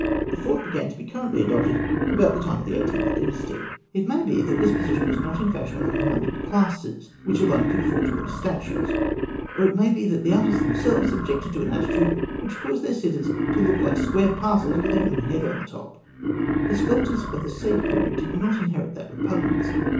The fourth began to be currently adopted about the time of the Eighteenth Dynasty. [Illustration: Fig. 205. Squatting statue of Pedishashi. Saïte work.] It may be that this position was not in fashion among the moneyed classes, which alone could afford to order statues; or it may be that the artists themselves objected to an attitude which caused their sitters to look like square parcels with a human head on the top. The sculptors of the Saïte period did not inherit that repugnance.